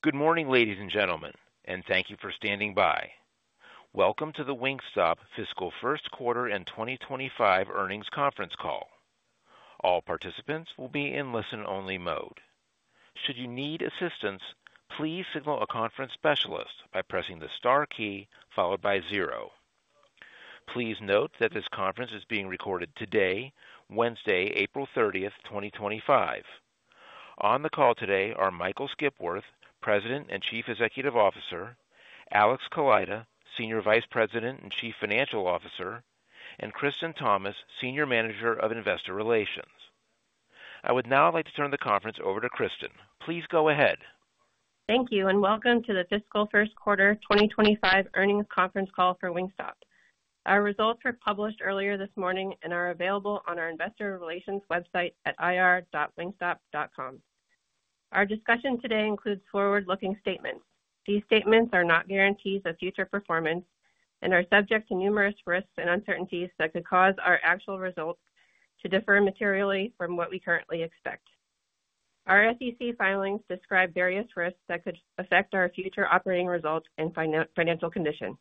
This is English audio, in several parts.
Good morning, ladies and gentlemen, and thank you for standing by. Welcome to the Wingstop Fiscal First Quarter and 2025 Earnings Conference Call. All participants will be in listen-only mode. Should you need assistance, please signal a conference specialist by pressing the star key followed by zero. Please note that this conference is being recorded today, Wednesday, April 30, 2025. On the call today are Michael Skipworth, President and Chief Executive Officer; Alex Kaleida, Senior Vice President and Chief Financial Officer; and Kristen Thomas, Senior Manager of Investor Relations. I would now like to turn the conference over to Kristen. Please go ahead. Thank you, and welcome to the Fiscal First Quarter 2025 Earnings Conference Call for Wingstop. Our results were published earlier this morning and are available on our Investor Relations website at ir.wingstop.com. Our discussion today includes forward-looking statements. These statements are not guarantees of future performance and are subject to numerous risks and uncertainties that could cause our actual results to differ materially from what we currently expect. Our SEC filings describe various risks that could affect our future operating results and financial condition.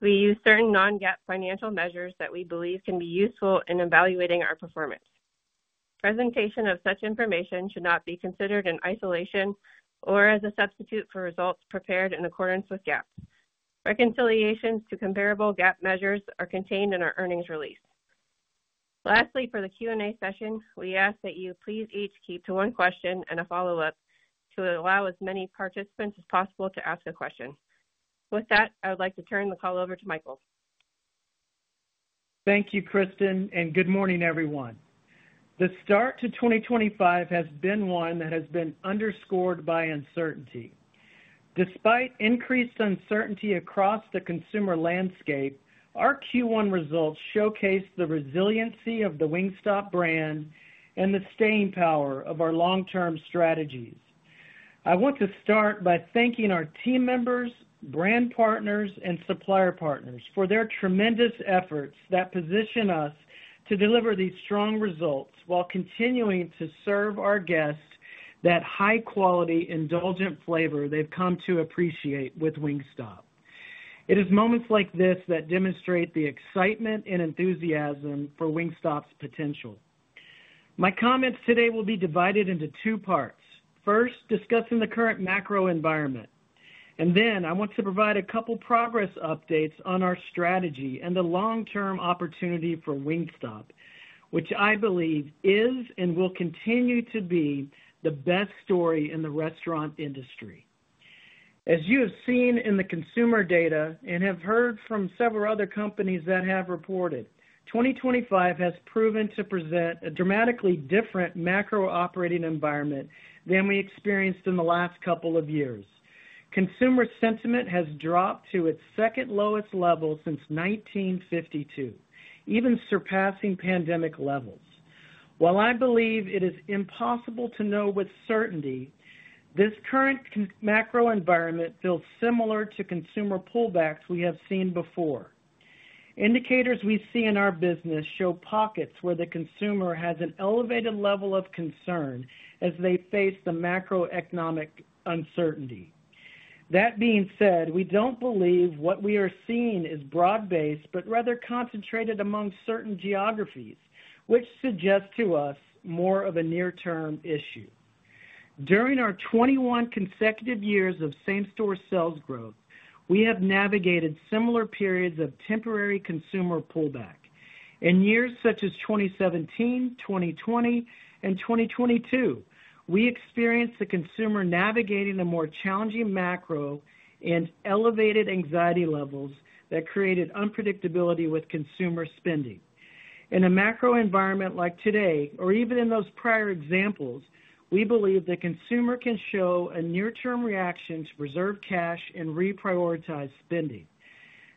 We use certain non-GAAP financial measures that we believe can be useful in evaluating our performance. Presentation of such information should not be considered in isolation or as a substitute for results prepared in accordance with GAAP. Reconciliations to comparable GAAP measures are contained in our earnings release. Lastly, for the Q&A session, we ask that you please each keep to one question and a follow-up to allow as many participants as possible to ask a question. With that, I would like to turn the call over to Michael. Thank you, Kristen, and good morning, everyone. The start to 2025 has been one that has been underscored by uncertainty. Despite increased uncertainty across the consumer landscape, our Q1 results showcase the resiliency of the Wingstop brand and the staying power of our long-term strategies. I want to start by thanking our team members, brand partners, and supplier partners for their tremendous efforts that position us to deliver these strong results while continuing to serve our guests that high-quality, indulgent flavor they've come to appreciate with Wingstop. It is moments like this that demonstrate the excitement and enthusiasm for Wingstop's potential. My comments today will be divided into two parts. First, discussing the current macro environment. I want to provide a couple of progress updates on our strategy and the long-term opportunity for Wingstop, which I believe is and will continue to be the best story in the restaurant industry. As you have seen in the consumer data and have heard from several other companies that have reported, 2025 has proven to present a dramatically different macro operating environment than we experienced in the last couple of years. Consumer sentiment has dropped to its second lowest level since 1952, even surpassing pandemic levels. While I believe it is impossible to know with certainty, this current macro environment feels similar to consumer pullbacks we have seen before. Indicators we see in our business show pockets where the consumer has an elevated level of concern as they face the macroeconomic uncertainty. That being said, we don't believe what we are seeing is broad-based, but rather concentrated among certain geographies, which suggests to us more of a near-term issue. During our 21 consecutive years of same-store sales growth, we have navigated similar periods of temporary consumer pullback. In years such as 2017, 2020, and 2022, we experienced the consumer navigating a more challenging macro and elevated anxiety levels that created unpredictability with consumer spending. In a macro environment like today, or even in those prior examples, we believe the consumer can show a near-term reaction to reserve cash and reprioritize spending.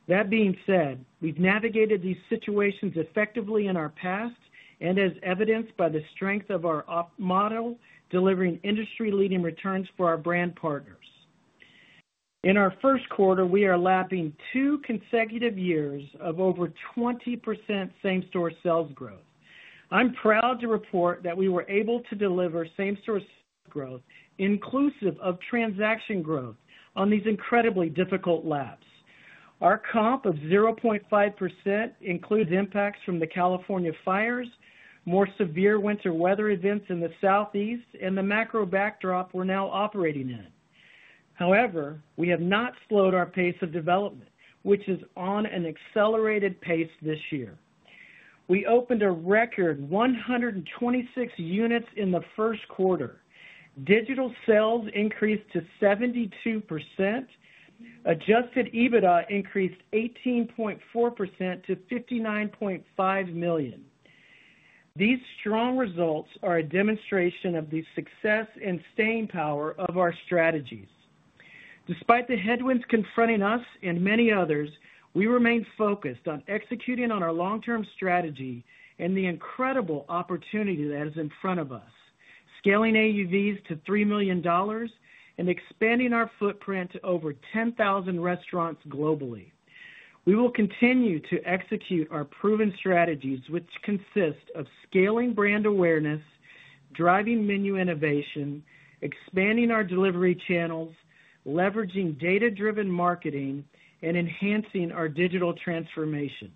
That being said, we've navigated these situations effectively in our past, and as evidenced by the strength of our model, delivering industry-leading returns for our brand partners. In our first quarter, we are lapping two consecutive years of over 20% same-store sales growth. I'm proud to report that we were able to deliver same-store sales growth, inclusive of transaction growth, on these incredibly difficult laps. Our comp of 0.5% includes impacts from the California fires, more severe winter weather events in the Southeast, and the macro backdrop we're now operating in. However, we have not slowed our pace of development, which is on an accelerated pace this year. We opened a record 126 units in the first quarter. Digital sales increased to 72%. Adjusted EBITDA increased 18.4% to $59.5 million. These strong results are a demonstration of the success and staying power of our strategies. Despite the headwinds confronting us and many others, we remain focused on executing on our long-term strategy and the incredible opportunity that is in front of us, scaling AUVs to $3 million and expanding our footprint to over 10,000 restaurants globally. We will continue to execute our proven strategies, which consist of scaling brand awareness, driving menu innovation, expanding our delivery channels, leveraging data-driven marketing, and enhancing our digital transformation.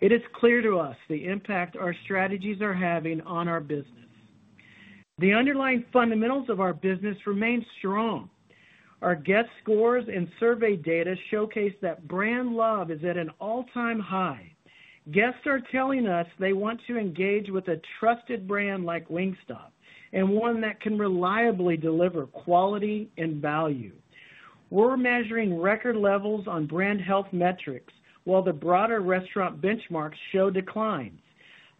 It is clear to us the impact our strategies are having on our business. The underlying fundamentals of our business remain strong. Our guest scores and survey data showcase that brand love is at an all-time high. Guests are telling us they want to engage with a trusted brand like Wingstop and one that can reliably deliver quality and value. We're measuring record levels on brand health metrics while the broader restaurant benchmarks show decline.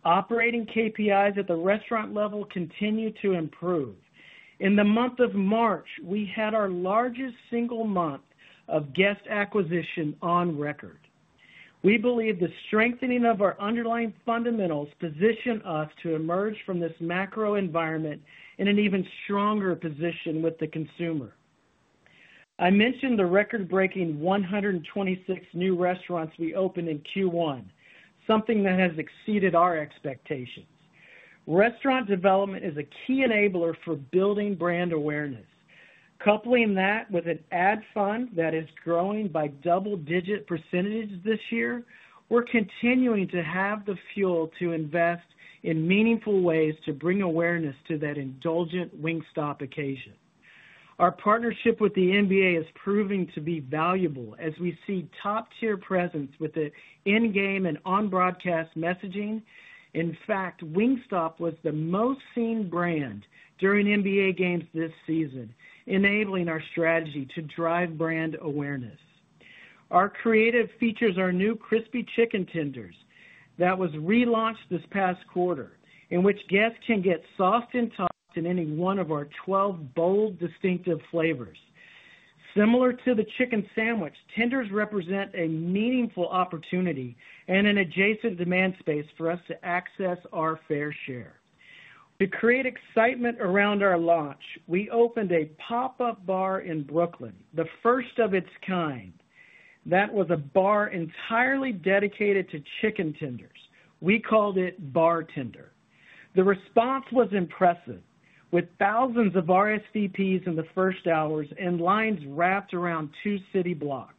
Operating KPIs at the restaurant level continue to improve. In the month of March, we had our largest single month of guest acquisition on record. We believe the strengthening of our underlying fundamentals positions us to emerge from this macro environment in an even stronger position with the consumer. I mentioned the record-breaking 126 new restaurants we opened in Q1, something that has exceeded our expectations. Restaurant development is a key enabler for building brand awareness. Coupling that with an ad fund that is growing by double-digit % this year, we're continuing to have the fuel to invest in meaningful ways to bring awareness to that indulgent Wingstop occasion. Our partnership with the NBA is proving to be valuable as we see top-tier presence with the in-game and on-broadcast messaging. In fact, Wingstop was the most seen brand during NBA games this season, enabling our strategy to drive brand awareness. Our creative features our new Crispy Chicken Tenders that was relaunched this past quarter, in which guests can get sauced and tossed in any one of our 12 bold, distinctive flavors. Similar to the Chicken Sandwich, Tenders represent a meaningful opportunity and an adjacent demand space for us to access our fair share. To create excitement around our launch, we opened a pop-up bar in Brooklyn, the first of its kind. That was a bar entirely dedicated to Chicken Tenders. We called it Bar Tender. The response was impressive, with thousands of RSVPs in the first hours and lines wrapped around two city blocks.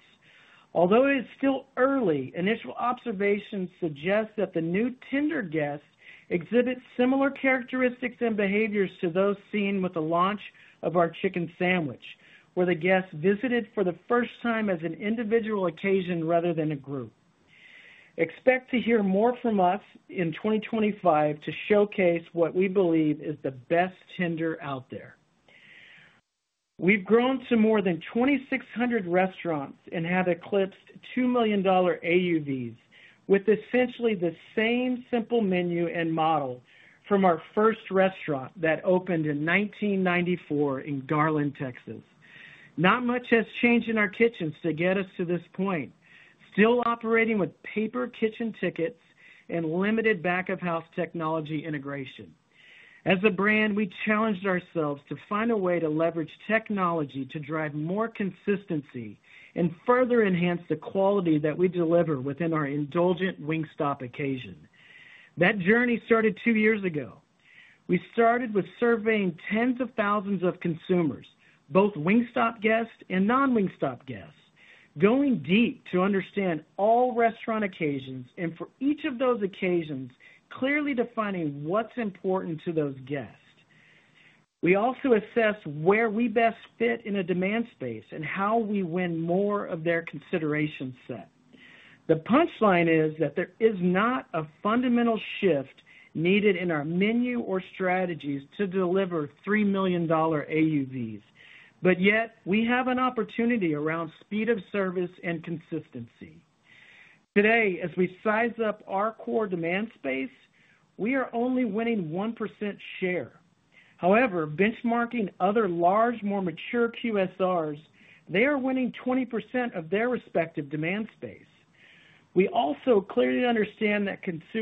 Although it is still early, initial observations suggest that the new Tender guests exhibit similar characteristics and behaviors to those seen with the launch of our Chicken Sandwich, where the guests visited for the first time as an individual occasion rather than a group. Expect to hear more from us in 2025 to showcase what we believe is the best Tender out there. We've grown to more than 2,600 restaurants and have eclipsed $2 million AUVs with essentially the same simple menu and model from our first restaurant that opened in 1994 in Garland, Texas. Not much has changed in our kitchens to get us to this point, still operating with paper kitchen tickets and limited back-of-house technology integration. As a brand, we challenged ourselves to find a way to leverage technology to drive more consistency and further enhance the quality that we deliver within our indulgent Wingstop occasion. That journey started two years ago. We started with surveying tens of thousands of consumers, both Wingstop guests and non-Wingstop guests, going deep to understand all restaurant occasions and, for each of those occasions, clearly defining what's important to those guests. We also assessed where we best fit in a demand space and how we win more of their consideration set. The punchline is that there is not a fundamental shift needed in our menu or strategies to deliver $3 million AUVs, but yet we have an opportunity around speed of service and consistency. Today, as we size up our core demand space, we are only winning 1% share. However, benchmarking other large, more mature QSRs, they are winning 20% of their respective demand space. We also clearly understand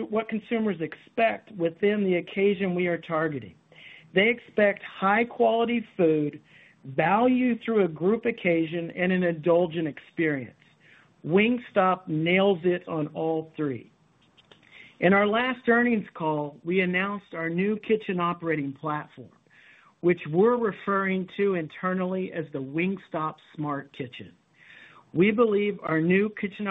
what consumers expect within the occasion we are targeting. They expect high-quality food, value through a group occasion, and an indulgent experience. Wingstop nails it on all three. In our last earnings call, we announced our new kitchen operating platform, which we're referring to internally as the Wingstop Smart Kitchen. We believe our new kitchen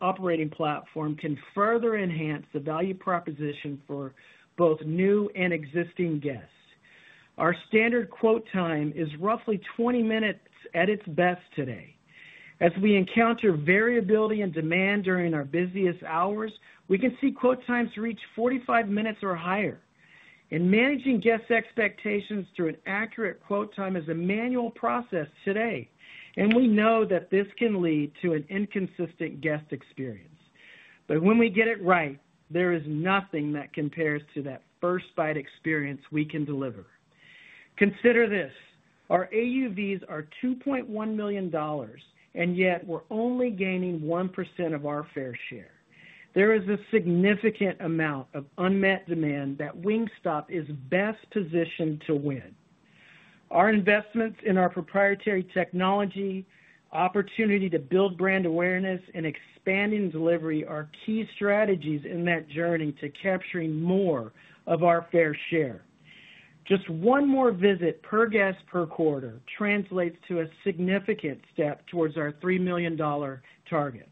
operating platform can further enhance the value proposition for both new and existing guests. Our standard quote time is roughly 20 minutes at its best today. As we encounter variability in demand during our busiest hours, we can see quote times reach 45 minutes or higher. In managing guest expectations through an accurate quote time is a manual process today, and we know that this can lead to an inconsistent guest experience. When we get it right, there is nothing that compares to that first bite experience we can deliver. Consider this: our AUVs are $2.1 million, and yet we're only gaining 1% of our fair share. There is a significant amount of unmet demand that Wingstop is best positioned to win. Our investments in our proprietary technology, opportunity to build brand awareness, and expanding delivery are key strategies in that journey to capturing more of our fair share. Just one more visit per guest per quarter translates to a significant step towards our $3 million target.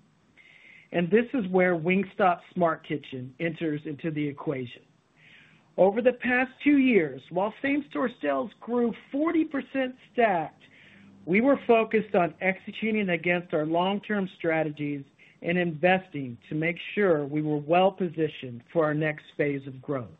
This is where Wingstop Smart Kitchen enters into the equation. Over the past two years, while same-store sales grew 40% stacked, we were focused on executing against our long-term strategies and investing to make sure we were well-positioned for our next phase of growth.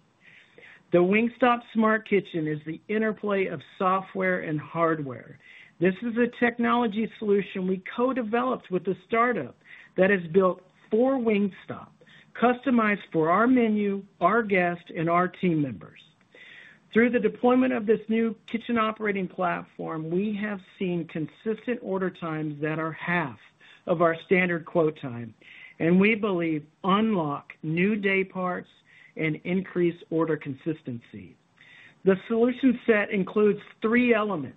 The Wingstop Smart Kitchen is the interplay of software and hardware. This is a technology solution we co-developed with a startup that has built for Wingstop, customized for our menu, our guests, and our team members. Through the deployment of this new kitchen operating platform, we have seen consistent order times that are half of our standard quote time, and we believe unlock new dayparts and increase order consistency. The solution set includes three elements: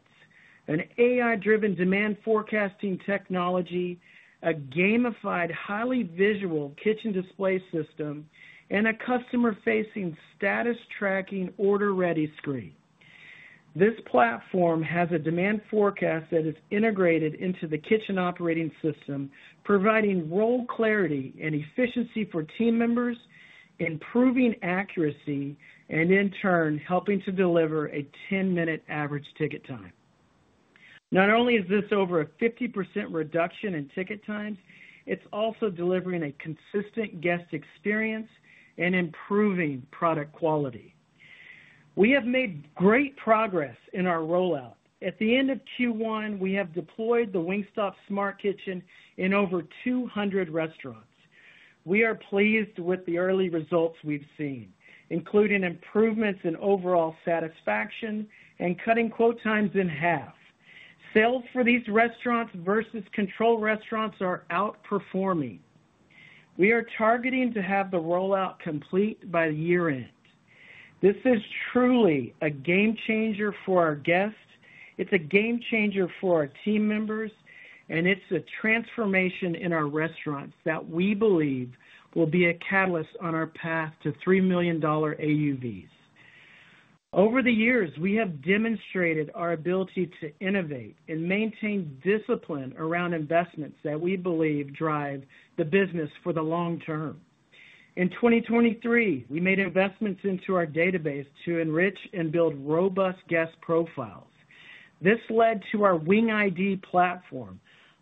an AI-driven demand forecasting technology, a gamified, highly visual kitchen display system, and a customer-facing status tracking order-ready screen. This platform has a demand forecast that is integrated into the kitchen operating system, providing role clarity and efficiency for team members, improving accuracy, and in turn, helping to deliver a 10-minute average ticket time. Not only is this over a 50% reduction in ticket times, it's also delivering a consistent guest experience and improving product quality. We have made great progress in our rollout. At the end of Q1, we have deployed the Wingstop Smart Kitchen in over 200 restaurants. We are pleased with the early results we've seen, including improvements in overall satisfaction and cutting quote times in half. Sales for these restaurants versus control restaurants are outperforming. We are targeting to have the rollout complete by the year end. This is truly a game changer for our guests. It's a game changer for our team members, and it's a transformation in our restaurants that we believe will be a catalyst on our path to $3 million AUVs. Over the years, we have demonstrated our ability to innovate and maintain discipline around investments that we believe drive the business for the long term. In 2023, we made investments into our database to enrich and build robust guest profiles. This led to our WingID platform,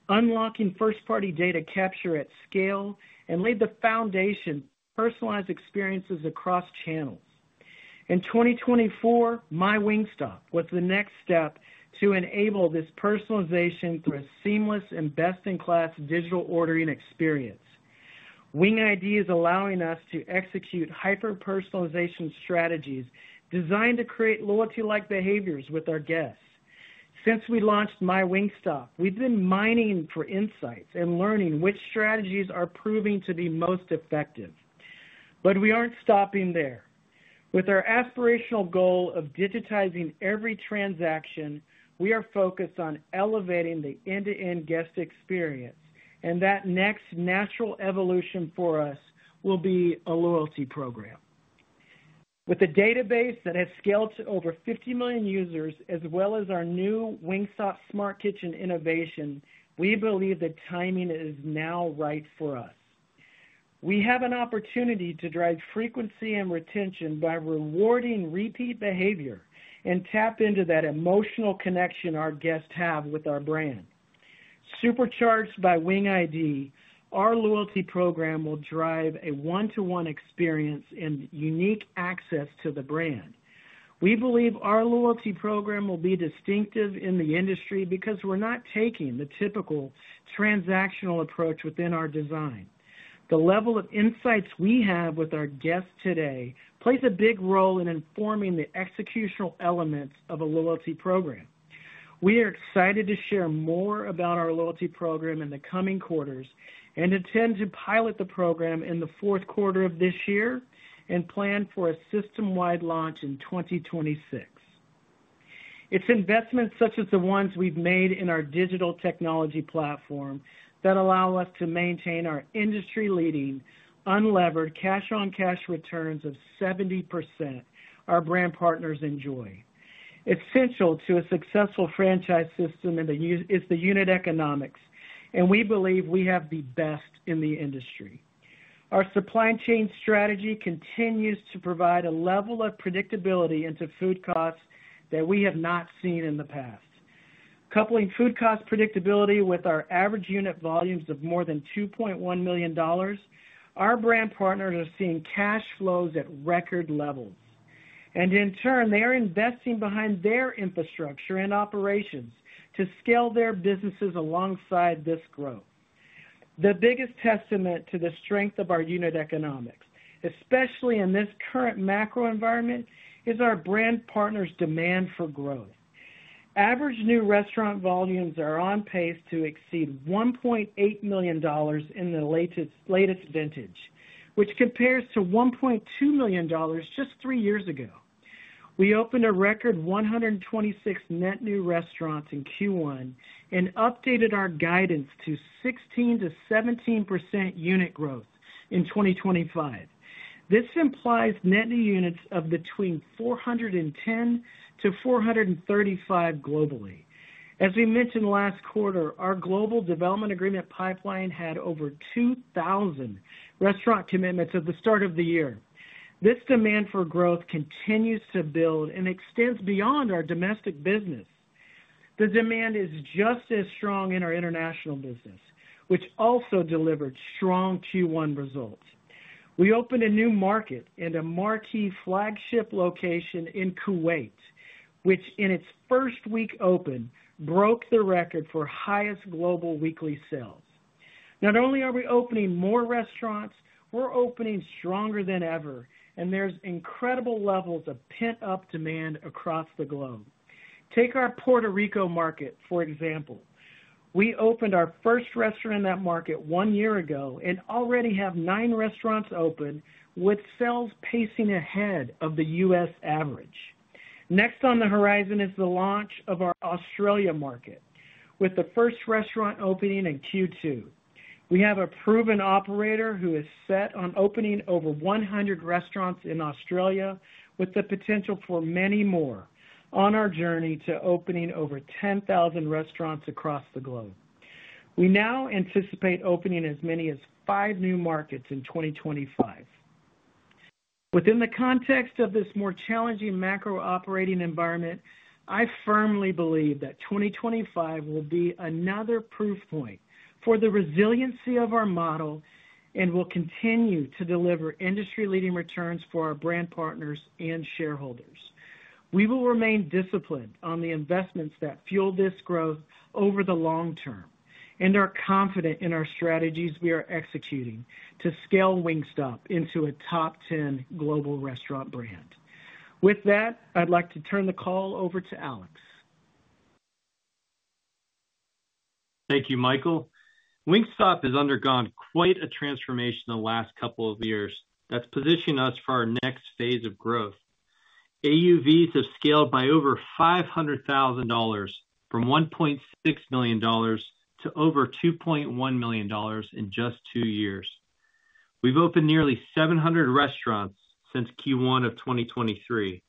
unlocking first-party data capture at scale and laid the foundation for personalized experiences across channels. In 2024, MyWingstop was the next step to enable this personalization through a seamless and best-in-class digital ordering experience. WingID is allowing us to execute hyper-personalization strategies designed to create loyalty-like behaviors with our guests. Since we launched MyWingstop, we've been mining for insights and learning which strategies are proving to be most effective. We aren't stopping there. With our aspirational goal of digitizing every transaction, we are focused on elevating the end-to-end guest experience, and that next natural evolution for us will be a loyalty program. With a database that has scaled to over 50 million users, as well as our new Wingstop Smart Kitchen innovation, we believe the timing is now right for us. We have an opportunity to drive frequency and retention by rewarding repeat behavior and tap into that emotional connection our guests have with our brand. Supercharged by WingID, our loyalty program will drive a one-to-one experience and unique access to the brand. We believe our loyalty program will be distinctive in the industry because we're not taking the typical transactional approach within our design. The level of insights we have with our guests today plays a big role in informing the executional elements of a loyalty program. We are excited to share more about our loyalty program in the coming quarters and intend to pilot the program in the fourth quarter of this year and plan for a system-wide launch in 2026. It's investments such as the ones we've made in our digital technology platform that allow us to maintain our industry-leading unlevered cash-on-cash returns of 70% our brand partners enjoy. Essential to a successful franchise system is the unit economics, and we believe we have the best in the industry. Our supply chain strategy continues to provide a level of predictability into food costs that we have not seen in the past. Coupling food cost predictability with our average unit volumes of more than $2.1 million, our brand partners are seeing cash flows at record levels. In turn, they are investing behind their infrastructure and operations to scale their businesses alongside this growth. The biggest testament to the strength of our unit economics, especially in this current macro environment, is our brand partners' demand for growth. Average new restaurant volumes are on pace to exceed $1.8 million in the latest vintage, which compares to $1.2 million just three years ago. We opened a record 126 net new restaurants in Q1 and updated our guidance to 16-17% unit growth in 2025. This implies net new units of between 410-435 globally. As we mentioned last quarter, our global development agreement pipeline had over 2,000 restaurant commitments at the start of the year. This demand for growth continues to build and extends beyond our domestic business. The demand is just as strong in our international business, which also delivered strong Q1 results. We opened a new market and a marquee flagship location in Kuwait, which, in its first week open, broke the record for highest global weekly sales. Not only are we opening more restaurants, we're opening stronger than ever, and there's incredible levels of pent-up demand across the globe. Take our Puerto Rico market, for example. We opened our first restaurant in that market one year ago and already have nine restaurants open, with sales pacing ahead of the U.S. average. Next on the horizon is the launch of our Australia market, with the first restaurant opening in Q2. We have a proven operator who is set on opening over 100 restaurants in Australia, with the potential for many more on our journey to opening over 10,000 restaurants across the globe. We now anticipate opening as many as five new markets in 2025. Within the context of this more challenging macro operating environment, I firmly believe that 2025 will be another proof point for the resiliency of our model and will continue to deliver industry-leading returns for our brand partners and shareholders. We will remain disciplined on the investments that fuel this growth over the long term and are confident in our strategies we are executing to scale Wingstop into a top-10 global restaurant brand. With that, I'd like to turn the call over to Alex. Thank you, Michael. Wingstop has undergone quite a transformation in the last couple of years that's positioned us for our next phase of growth. AUVs have scaled by over $500,000 from $1.6 million to over $2.1 million in just two years. We've opened nearly 700 restaurants since Q1 of 2023.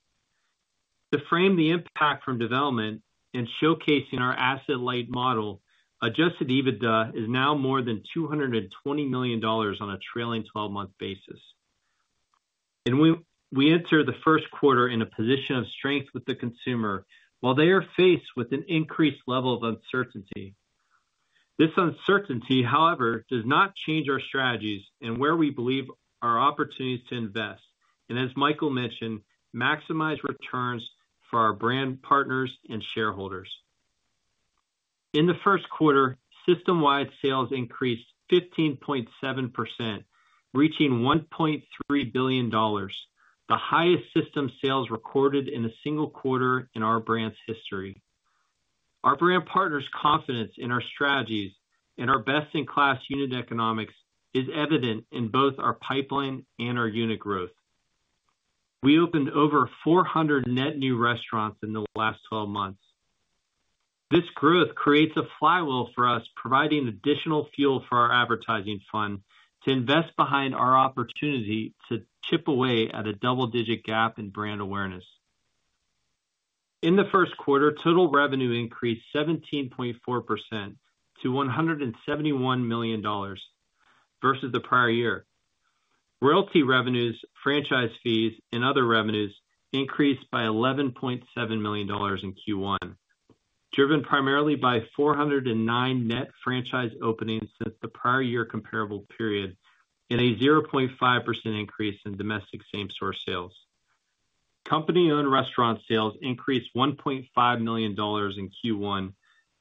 To frame the impact from development and showcasing our asset-light model, Adjusted EBITDA is now more than $220 million on a trailing 12-month basis. We enter the first quarter in a position of strength with the consumer while they are faced with an increased level of uncertainty. This uncertainty, however, does not change our strategies and where we believe our opportunities to invest, and as Michael mentioned, maximize returns for our brand partners and shareholders. In the first quarter, system-wide sales increased 15.7%, reaching $1.3 billion, the highest system sales recorded in a single quarter in our brand's history. Our brand partners' confidence in our strategies and our best-in-class unit economics is evident in both our pipeline and our unit growth. We opened over 400 net new restaurants in the last 12 months. This growth creates a flywheel for us, providing additional fuel for our advertising fund to invest behind our opportunity to chip away at a double-digit gap in brand awareness. In the first quarter, total revenue increased 17.4% to $171 million versus the prior year. Royalty revenues, franchise fees, and other revenues increased by $11.7 million in Q1, driven primarily by 409 net franchise openings since the prior year comparable period and a 0.5% increase in domestic same-store sales. Company-owned restaurant sales increased $1.5 million in Q1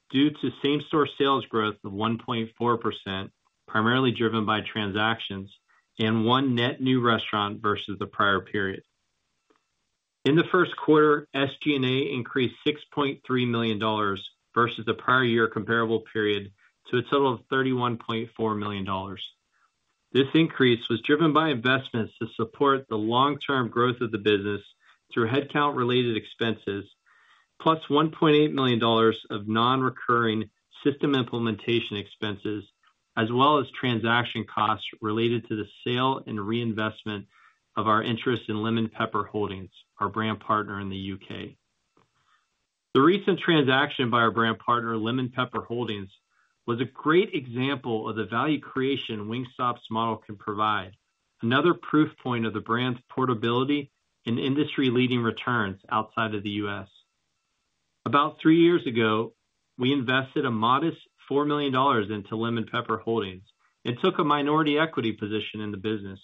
due to same-store sales growth of 1.4%, primarily driven by transactions and one net new restaurant versus the prior period. In the first quarter, SG&A increased $6.3 million versus the prior year comparable period to a total of $31.4 million. This increase was driven by investments to support the long-term growth of the business through headcount-related expenses, plus $1.8 million of non-recurring system implementation expenses, as well as transaction costs related to the sale and reinvestment of our interest in Lemon Pepper Holdings, our brand partner in the U.K. The recent transaction by our brand partner, Lemon Pepper Holdings, was a great example of the value creation Wingstop's model can provide, another proof point of the brand's portability and industry-leading returns outside of the U.S. About three years ago, we invested a modest $4 million into Lemon Pepper Holdings and took a minority equity position in the business.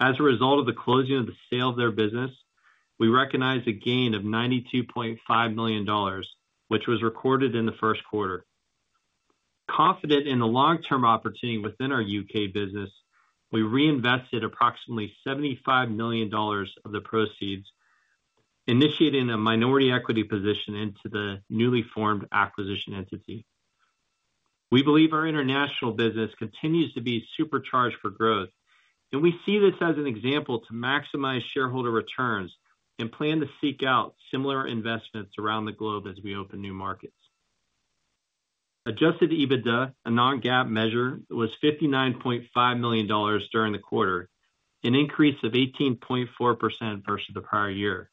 As a result of the closing of the sale of their business, we recognized a gain of $92.5 million, which was recorded in the first quarter. Confident in the long-term opportunity within our U.K. business, we reinvested approximately $75 million of the proceeds, initiating a minority equity position into the newly formed acquisition entity. We believe our international business continues to be supercharged for growth, and we see this as an example to maximize shareholder returns and plan to seek out similar investments around the globe as we open new markets. Adjusted EBITDA, a non-GAAP measure, was $59.5 million during the quarter, an increase of 18.4% versus the prior year.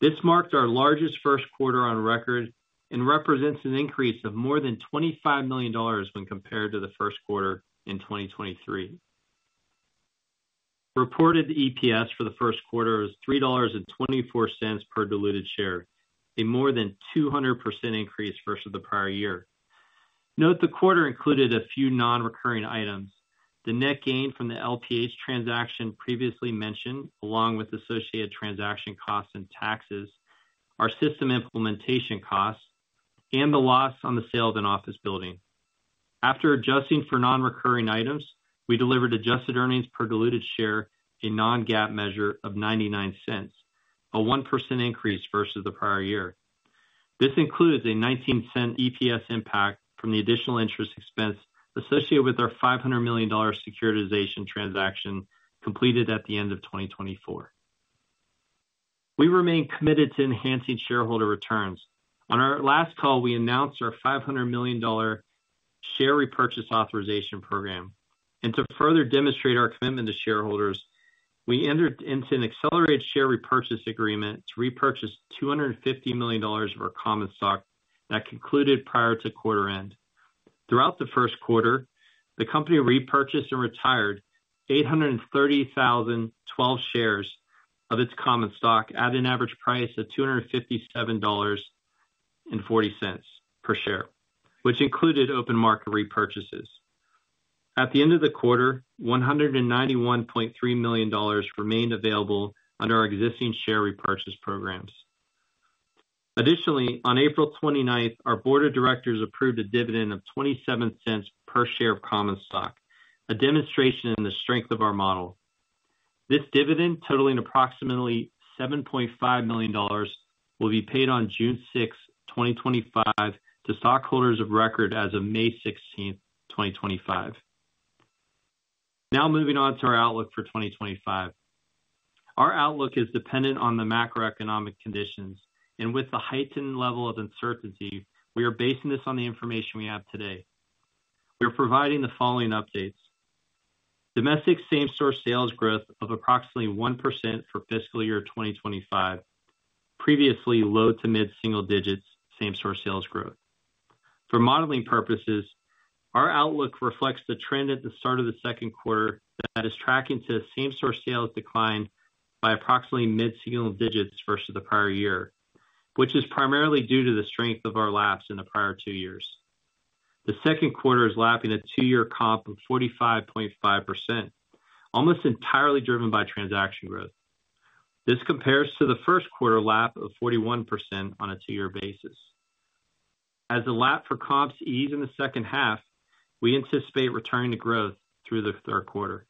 This marked our largest first quarter on record and represents an increase of more than $25 million when compared to the first quarter in 2023. Reported EPS for the first quarter was $3.24 per diluted share, a more than 200% increase versus the prior year. Note the quarter included a few non-recurring items. The net gain from the LPH transaction previously mentioned, along with associated transaction costs and taxes, our system implementation costs, and the loss on the sale of an office building. After adjusting for non-recurring items, we delivered adjusted earnings per diluted share, a non-GAAP measure, of $0.99, a 1% increase versus the prior year. This includes a $0.19 EPS impact from the additional interest expense associated with our $500 million securitization transaction completed at the end of 2024. We remain committed to enhancing shareholder returns. On our last call, we announced our $500 million share repurchase authorization program. To further demonstrate our commitment to shareholders, we entered into an accelerated share repurchase agreement to repurchase $250 million of our common stock that concluded prior to quarter end. Throughout the first quarter, the company repurchased and retired 830,012 shares of its common stock at an average price of $257.40 per share, which included open market repurchases. At the end of the quarter, $191.3 million remained available under our existing share repurchase programs. Additionally, on April 29, our board of directors approved a dividend of $0.27 per share of common stock, a demonstration of the strength of our model. This dividend, totaling approximately $7.5 million, will be paid on June 6, 2025, to stockholders of record as of May 16, 2025. Now moving on to our outlook for 2025. Our outlook is dependent on the macroeconomic conditions, and with the heightened level of uncertainty, we are basing this on the information we have today. We are providing the following updates: domestic same-store sales growth of approximately 1% for fiscal year 2025, previously low to mid-single digits same-store sales growth. For modeling purposes, our outlook reflects the trend at the start of the second quarter that is tracking to same-store sales decline by approximately mid-single digits versus the prior year, which is primarily due to the strength of our laps in the prior two years. The second quarter is lapping a two-year comp of 45.5%, almost entirely driven by transaction growth. This compares to the first quarter lap of 41% on a two-year basis. As the lap for comps ease in the second half, we anticipate returning to growth through the third quarter.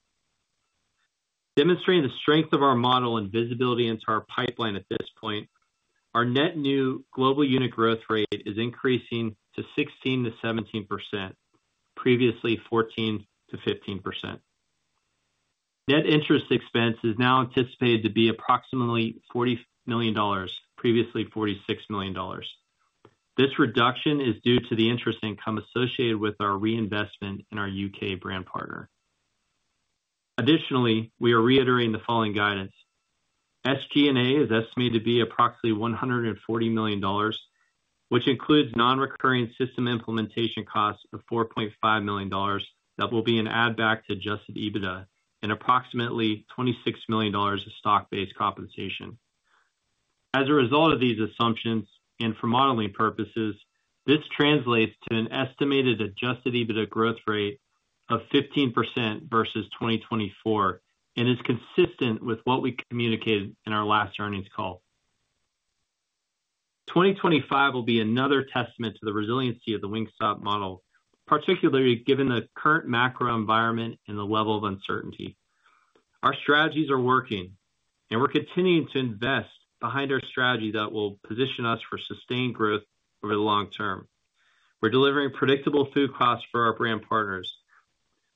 Demonstrating the strength of our model and visibility into our pipeline at this point, our net new global unit growth rate is increasing to 16-17%, previously 14-15%. Net interest expense is now anticipated to be approximately $40 million, previously $46 million. This reduction is due to the interest income associated with our reinvestment in our U.K. brand partner. Additionally, we are reiterating the following guidance: SG&A is estimated to be approximately $140 million, which includes non-recurring system implementation costs of $4.5 million that will be an add-back to adjusted EBITDA and approximately $26 million of stock-based compensation. As a result of these assumptions and for modeling purposes, this translates to an estimated adjusted EBITDA growth rate of 15% versus 2024 and is consistent with what we communicated in our last earnings call. 2025 will be another testament to the resiliency of the Wingstop model, particularly given the current macro environment and the level of uncertainty. Our strategies are working, and we're continuing to invest behind our strategy that will position us for sustained growth over the long term. We're delivering predictable food costs for our brand partners.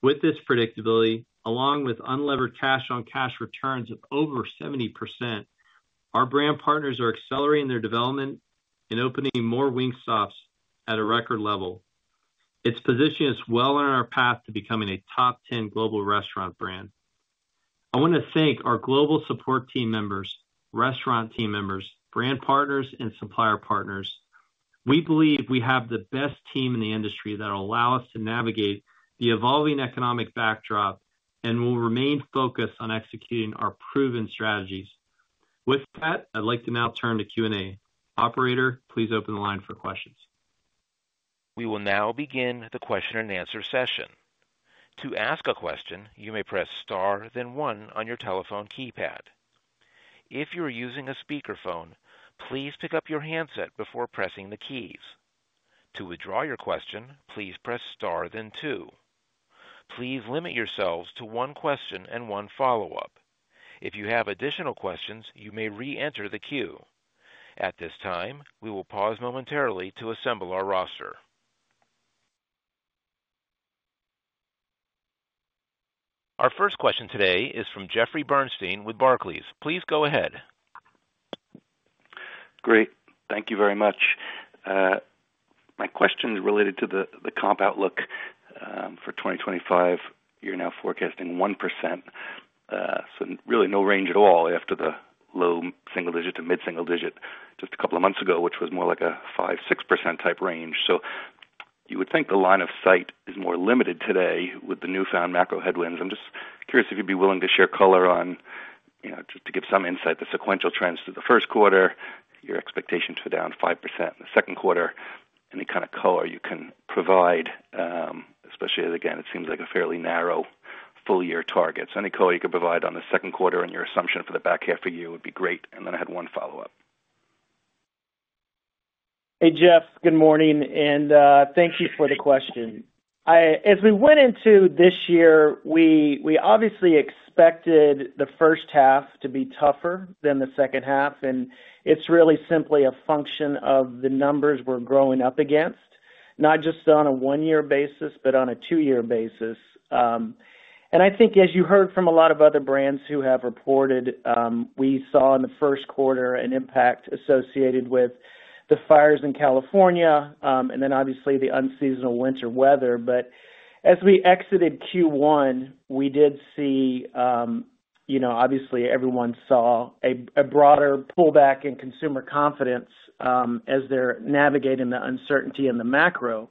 With this predictability, along with unlevered cash-on-cash returns of over 70%, our brand partners are accelerating their development and opening more Wingstops at a record level. It's positioning us well on our path to becoming a top-10 global restaurant brand. I want to thank our global support team members, restaurant team members, brand partners, and supplier partners. We believe we have the best team in the industry that will allow us to navigate the evolving economic backdrop and will remain focused on executing our proven strategies. With that, I'd like to now turn to Q&A. Operator, please open the line for questions. We will now begin the question and answer session. To ask a question, you may press star, then one on your telephone keypad. If you are using a speakerphone, please pick up your handset before pressing the keys. To withdraw your question, please press star, then two. Please limit yourselves to one question and one follow-up. If you have additional questions, you may re-enter the queue. At this time, we will pause momentarily to assemble our roster. Our first question today is from Jeffrey Bernstein with Barclays. Please go ahead. Great. Thank you very much. My question is related to the comp outlook for 2025. You're now forecasting 1%, so really no range at all after the low single-digit to mid-single digit just a couple of months ago, which was more like a 5-6% type range. You would think the line of sight is more limited today with the newfound macro headwinds. I'm just curious if you'd be willing to share color on, just to give some insight, the sequential trends through the first quarter, your expectation to down 5% in the second quarter, any kind of color you can provide, especially as, again, it seems like a fairly narrow full-year target. Any color you could provide on the second quarter and your assumption for the back half for you would be great. I had one follow-up. Hey, Jeff, good morning, and thank you for the question. As we went into this year, we obviously expected the first half to be tougher than the second half, and it's really simply a function of the numbers we're growing up against, not just on a one-year basis, but on a two-year basis. I think, as you heard from a lot of other brands who have reported, we saw in the first quarter an impact associated with the fires in California and then, obviously, the unseasonal winter weather. As we exited Q1, we did see, obviously, everyone saw a broader pullback in consumer confidence as they're navigating the uncertainty in the macro.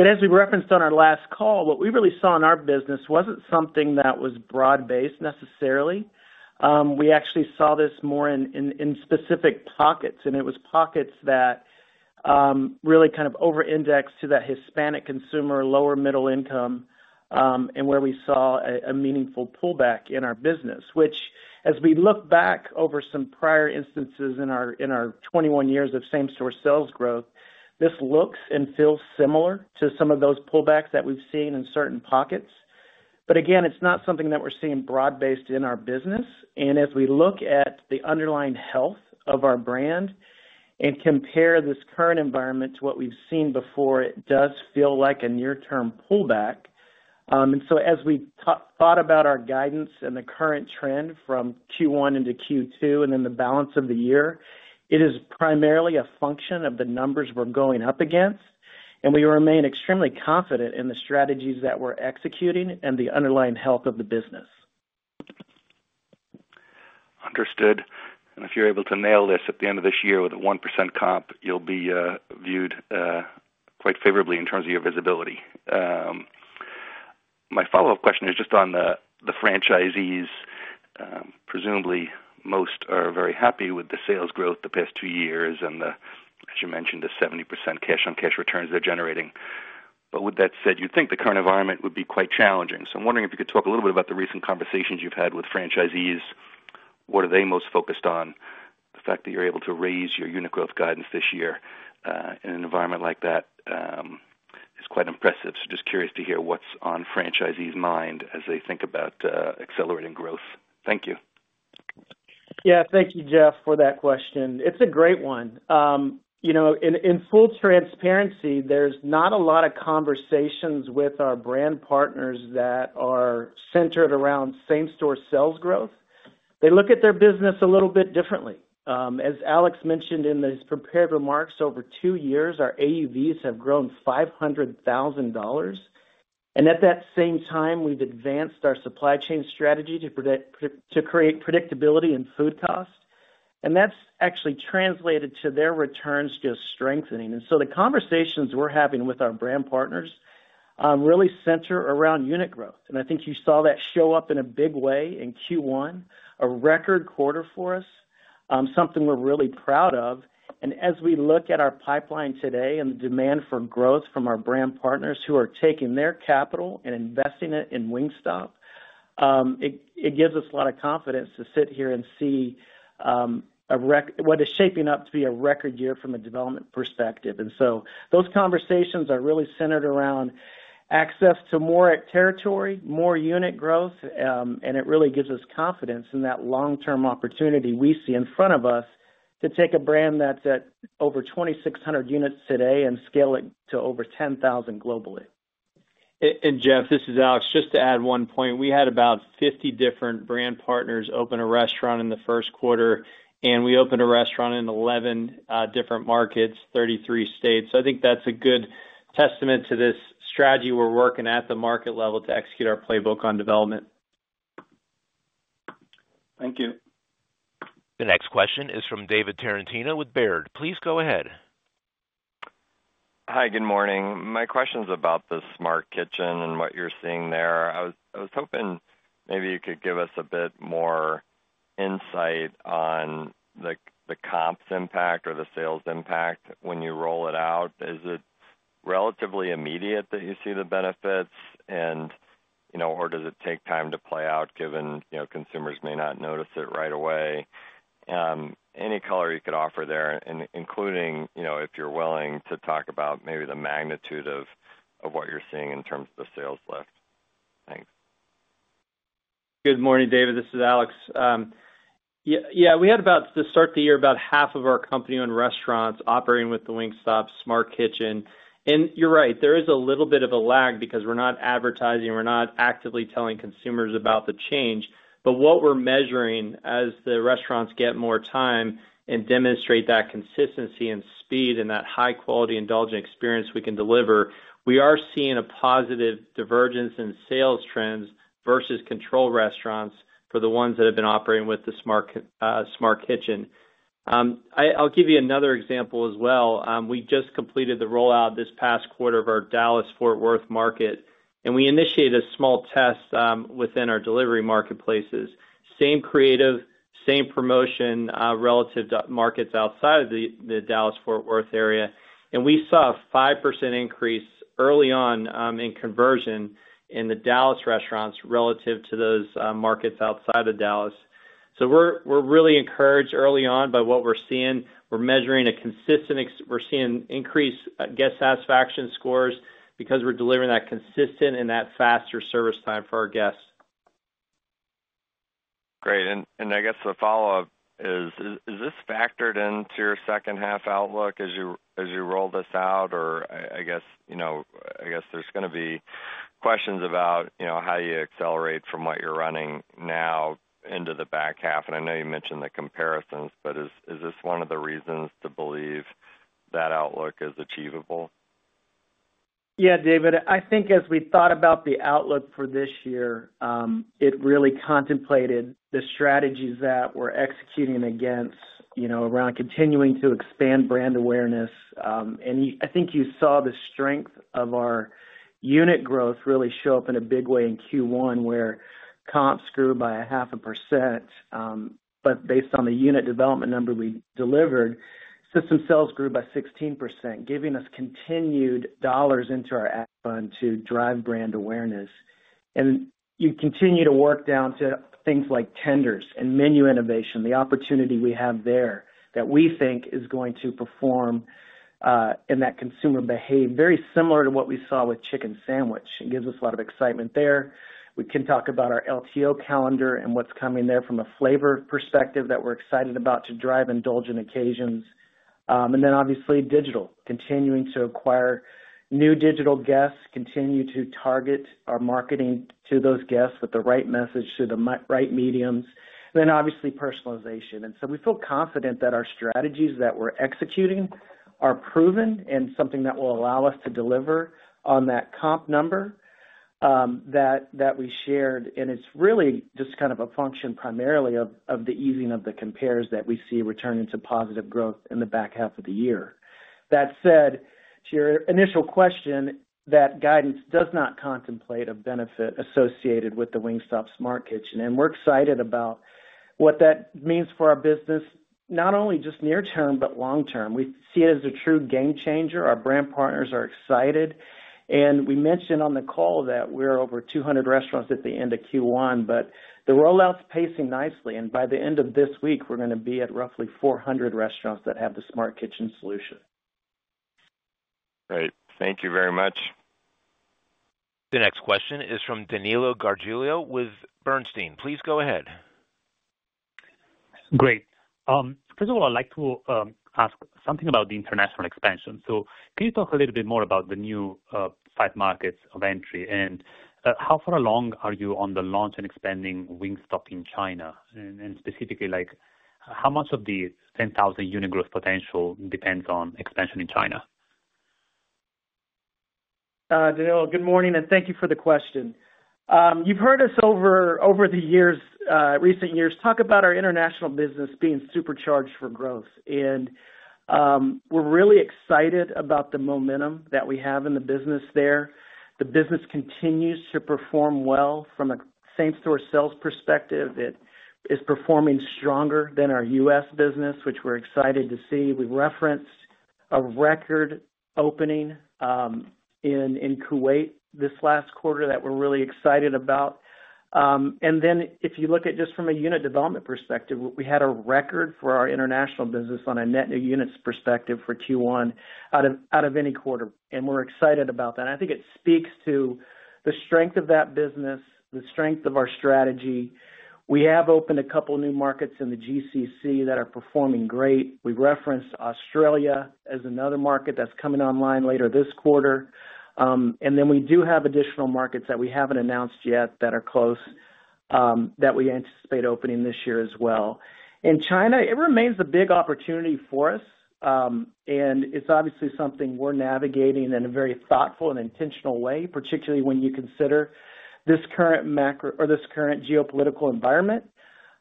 As we referenced on our last call, what we really saw in our business wasn't something that was broad-based necessarily. We actually saw this more in specific pockets, and it was pockets that really kind of over-indexed to that Hispanic consumer, lower middle income, and where we saw a meaningful pullback in our business, which, as we look back over some prior instances in our 21 years of same-store sales growth, this looks and feels similar to some of those pullbacks that we've seen in certain pockets. It is not something that we're seeing broad-based in our business. As we look at the underlying health of our brand and compare this current environment to what we've seen before, it does feel like a near-term pullback. As we thought about our guidance and the current trend from Q1 into Q2 and then the balance of the year, it is primarily a function of the numbers we're going up against, and we remain extremely confident in the strategies that we're executing and the underlying health of the business. Understood. If you're able to nail this at the end of this year with a 1% comp, you'll be viewed quite favorably in terms of your visibility. My follow-up question is just on the franchisees. Presumably, most are very happy with the sales growth the past two years and the, as you mentioned, the 70% cash-on-cash returns they're generating. With that said, you'd think the current environment would be quite challenging. I'm wondering if you could talk a little bit about the recent conversations you've had with franchisees, what are they most focused on? The fact that you're able to raise your unit growth guidance this year in an environment like that is quite impressive. Just curious to hear what's on franchisees' minds as they think about accelerating growth. Thank you. Yeah, thank you, Jeff, for that question. It's a great one. In full transparency, there's not a lot of conversations with our brand partners that are centered around same-store sales growth. They look at their business a little bit differently. As Alex mentioned in his prepared remarks, over two years, our AUVs have grown $500,000. At that same time, we've advanced our supply chain strategy to create predictability in food costs. That has actually translated to their returns just strengthening. The conversations we're having with our brand partners really center around unit growth. I think you saw that show up in a big way in Q1, a record quarter for us, something we're really proud of. As we look at our pipeline today and the demand for growth from our brand partners who are taking their capital and investing it in Wingstop, it gives us a lot of confidence to sit here and see what is shaping up to be a record year from a development perspective. Those conversations are really centered around access to more territory, more unit growth, and it really gives us confidence in that long-term opportunity we see in front of us to take a brand that's at over 2,600 units today and scale it to over 10,000 globally. Jeff, this is Alex. Just to add one point, we had about 50 different brand partners open a restaurant in the first quarter, and we opened a restaurant in 11 different markets, 33 states. I think that's a good testament to this strategy we're working at the market level to execute our playbook on development. Thank you. The next question is from David Tarantino with Baird. Please go ahead. Hi, good morning. My question is about the Smart Kitchen and what you're seeing there. I was hoping maybe you could give us a bit more insight on the comps impact or the sales impact when you roll it out. Is it relatively immediate that you see the benefits, or does it take time to play out given consumers may not notice it right away? Any color you could offer there, including if you're willing to talk about maybe the magnitude of what you're seeing in terms of the sales lift. Thanks. Good morning, David. This is Alex. Yeah, we had, to start the year, about half of our company owned restaurants operating with the Wingstop Smart Kitchen. And you're right, there is a little bit of a lag because we're not advertising. We're not actively telling consumers about the change. What we're measuring as the restaurants get more time and demonstrate that consistency and speed and that high-quality indulgent experience we can deliver, we are seeing a positive divergence in sales trends versus control restaurants for the ones that have been operating with the Smart Kitchen. I'll give you another example as well. We just completed the rollout this past quarter of our Dallas-Fort Worth market, and we initiated a small test within our delivery marketplaces. Same creative, same promotion relative to markets outside of the Dallas-Fort Worth area. We saw a 5% increase early on in conversion in the Dallas restaurants relative to those markets outside of Dallas. We're really encouraged early on by what we're seeing. We're measuring a consistent—we're seeing increased guest satisfaction scores because we're delivering that consistent and that faster service time for our guests. Great. I guess the follow-up is, is this factored into your second-half outlook as you roll this out? I guess there's going to be questions about how you accelerate from what you're running now into the back half. I know you mentioned the comparisons, but is this one of the reasons to believe that outlook is achievable? Yeah, David, I think as we thought about the outlook for this year, it really contemplated the strategies that we're executing against around continuing to expand brand awareness. I think you saw the strength of our unit growth really show up in a big way in Q1, where comps grew by 0.5%. Based on the unit development number we delivered, system sales grew by 16%, giving us continued dollars into our ad fund to drive brand awareness. You continue to work down to things like Tenders and menu innovation, the opportunity we have there that we think is going to perform in that consumer behavior, very similar to what we saw with Chicken Sandwich. It gives us a lot of excitement there. We can talk about our LTO calendar and what is coming there from a flavor perspective that we are excited about to drive indulgent occasions. Obviously, digital, continuing to acquire new digital guests, continue to target our marketing to those guests with the right message through the right mediums. Obviously, personalization. We feel confident that our strategies that we are executing are proven and something that will allow us to deliver on that comp number that we shared. It's really just kind of a function primarily of the easing of the compares that we see returning to positive growth in the back half of the year. That said, to your initial question, that guidance does not contemplate a benefit associated with the Wingstop Smart Kitchen. We're excited about what that means for our business, not only just near-term, but long-term. We see it as a true game changer. Our brand partners are excited. We mentioned on the call that we're over 200 restaurants at the end of Q1, but the rollout's pacing nicely. By the end of this week, we're going to be at roughly 400 restaurants that have the Smart Kitchen solution. Great. Thank you very much. The next question is from Danilo Gargiulo with Bernstein. Please go ahead. Great. First of all, I'd like to ask something about the international expansion. Can you talk a little bit more about the new five markets of entry and how far along are you on the launch and expanding Wingstop in China? Specifically, how much of the 10,000 unit growth potential depends on expansion in China? Danilo, good morning, and thank you for the question. You've heard us over the recent years talk about our international business being supercharged for growth. We're really excited about the momentum that we have in the business there. The business continues to perform well from a same-store sales perspective. It is performing stronger than our US business, which we're excited to see. We referenced a record opening in Kuwait this last quarter that we're really excited about. If you look at just from a unit development perspective, we had a record for our international business on a net new units perspective for Q1 out of any quarter. We are excited about that. I think it speaks to the strength of that business, the strength of our strategy. We have opened a couple of new markets in the GCC that are performing great. We referenced Australia as another market that is coming online later this quarter. We do have additional markets that we have not announced yet that are close that we anticipate opening this year as well. In China, it remains a big opportunity for us. It is obviously something we are navigating in a very thoughtful and intentional way, particularly when you consider this current macro or this current geopolitical environment.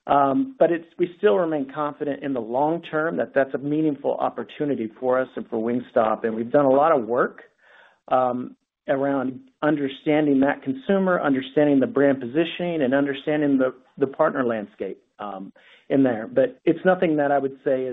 We still remain confident in the long term that that's a meaningful opportunity for us and for Wingstop. We've done a lot of work around understanding that consumer, understanding the brand positioning, and understanding the partner landscape in there. It's nothing that I would say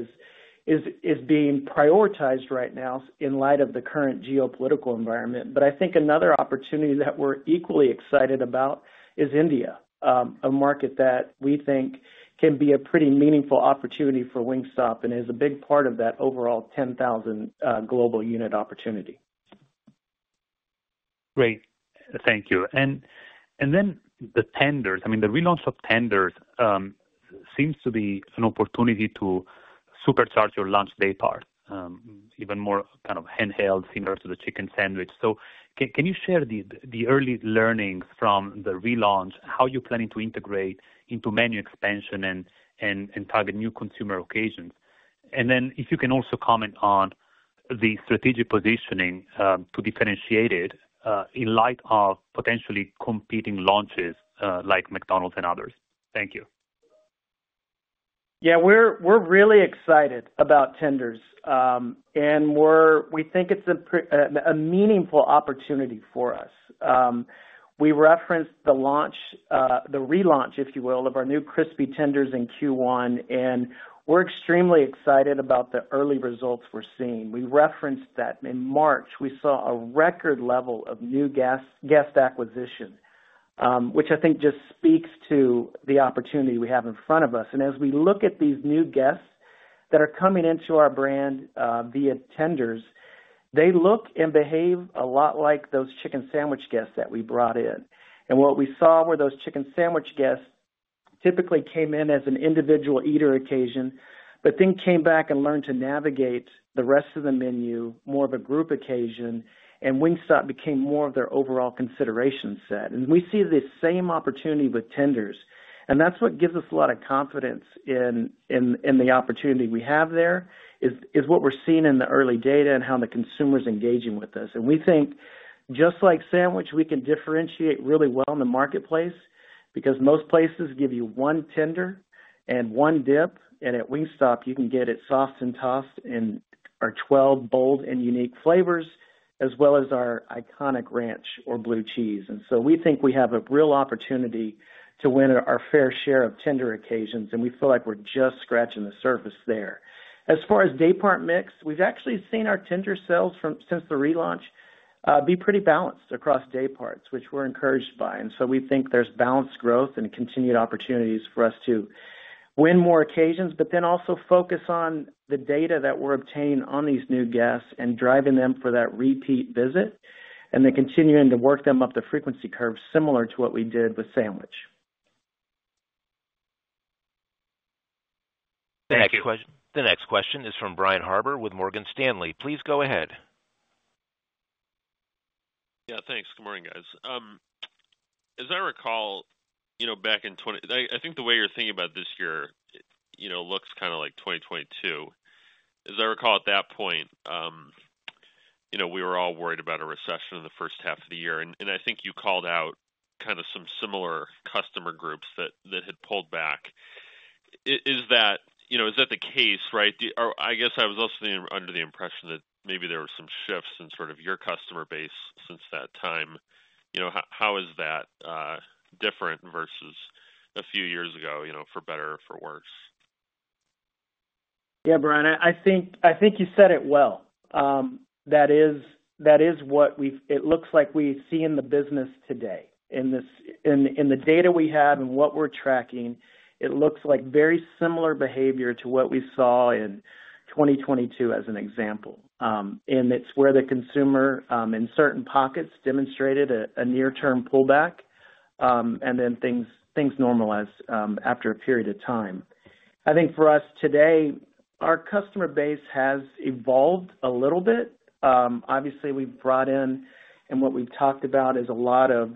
is being prioritized right now in light of the current geopolitical environment. I think another opportunity that we're equally excited about is India, a market that we think can be a pretty meaningful opportunity for Wingstop and is a big part of that overall 10,000 global unit opportunity. Great. Thank you. The Tenders, I mean, the relaunch of Tenders seems to be an opportunity to supercharge your lunch daypart, even more kind of handheld, similar to the Chicken Sandwich. Can you share the early learnings from the relaunch, how you're planning to integrate into menu expansion and target new consumer occasions? If you can also comment on the strategic positioning to differentiate it in light of potentially competing launches like McDonald's and others. Thank you. Yeah, we're really excited about Tenders. We think it's a meaningful opportunity for us. We referenced the relaunch, if you will, of our New Crispy Chicken Tenders in Q1. We're extremely excited about the early results we're seeing. We referenced that in March, we saw a record level of new guest acquisition, which I think just speaks to the opportunity we have in front of us. As we look at these new guests that are coming into our brand via Tenders, they look and behave a lot like those Chicken Sandwich guests that we brought in. What we saw were those Chicken Sandwich guests typically came in as an individual eater occasion, but then came back and learned to navigate the rest of the menu, more of a group occasion. Wingstop became more of their overall consideration set. We see the same opportunity with Tenders. That is what gives us a lot of confidence in the opportunity we have there, what we are seeing in the early data and how the consumer is engaging with us. We think, just like Sandwich, we can differentiate really well in the marketplace because most places give you one tender and one dip. At Wingstop, you can get it soft and tossed in our 12 bold and unique flavors, as well as our iconic ranch or Bleu Cheese. We think we have a real opportunity to win our fair share of Tender occasions. We feel like we're just scratching the surface there. As far as daypart mix, we've actually seen our Tender sales since the relaunch be pretty balanced across dayparts, which we're encouraged by. We think there's balanced growth and continued opportunities for us to win more occasions, but also focus on the data that we're obtaining on these new guests and driving them for that repeat visit and then continuing to work them up the frequency curve similar to what we did with Sandwich. Thank you. The next question is from Brian Harbour with Morgan Stanley. Please go ahead. Yeah, thanks. Good morning, guys. As I recall, back in I think the way you're thinking about this year looks kind of like 2022. As I recall, at that point, we were all worried about a recession in the first half of the year. I think you called out kind of some similar customer groups that had pulled back. Is that the case, right? I guess I was also under the impression that maybe there were some shifts in sort of your customer base since that time. How is that different versus a few years ago, for better or for worse? Yeah, Brian, I think you said it well. That is what it looks like we see in the business today. In the data we have and what we're tracking, it looks like very similar behavior to what we saw in 2022, as an example. It is where the consumer in certain pockets demonstrated a near-term pullback, and then things normalized after a period of time. I think for us today, our customer base has evolved a little bit. Obviously, we've brought in, and what we've talked about is a lot of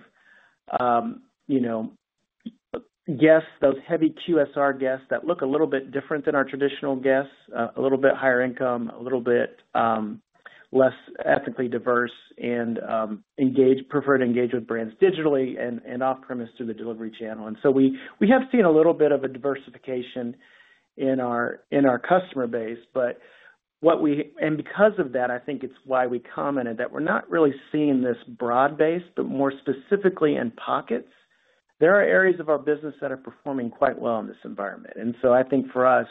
guests, those heavy QSR guests that look a little bit different than our traditional guests, a little bit higher income, a little bit less ethnically diverse, and prefer to engage with brands digitally and off-premise through the delivery channel. We have seen a little bit of a diversification in our customer base. Because of that, I think it's why we commented that we're not really seeing this broad base, but more specifically in pockets. There are areas of our business that are performing quite well in this environment. I think for us,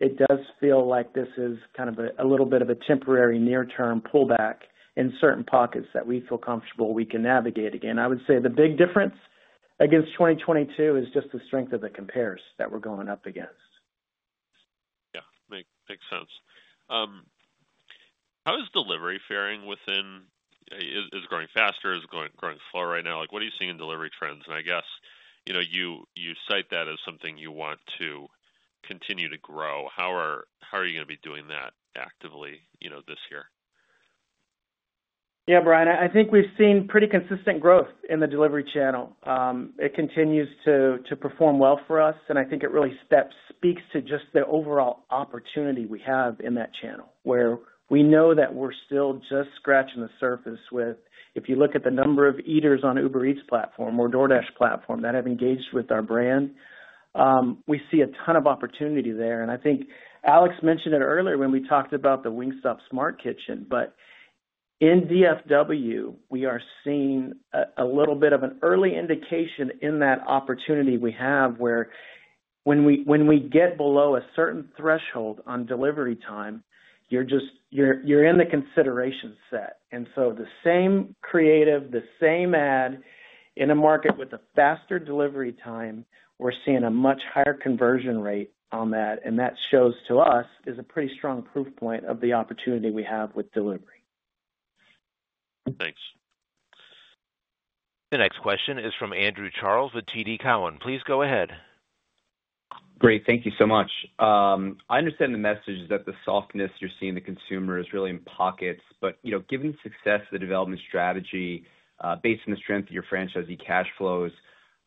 it does feel like this is kind of a little bit of a temporary near-term pullback in certain pockets that we feel comfortable we can navigate again. I would say the big difference against 2022 is just the strength of the compares that we're going up against. Yeah, makes sense. How is delivery faring within? Is it growing faster? Is it growing slower right now? What are you seeing in delivery trends? I guess you cite that as something you want to continue to grow. How are you going to be doing that actively this year? Yeah, Brian, I think we've seen pretty consistent growth in the delivery channel. It continues to perform well for us. I think it really speaks to just the overall opportunity we have in that channel, where we know that we're still just scratching the surface with. If you look at the number of eaters on Uber Eats platform or DoorDash platform that have engaged with our brand, we see a ton of opportunity there. I think Alex mentioned it earlier when we talked about the Wingstop Smart Kitchen. In DFW, we are seeing a little bit of an early indication in that opportunity we have, where when we get below a certain threshold on delivery time, you're in the consideration set. The same creative, the same ad in a market with a faster delivery time, we're seeing a much higher conversion rate on that. That shows, to us, is a pretty strong proof point of the opportunity we have with delivery. Thanks. The next question is from Andrew Charles with TD Cowen. Please go ahead. Great. Thank you so much. I understand the message that the softness you're seeing in the consumer is really in pockets. Given the success of the development strategy based on the strength of your franchisee cash flows,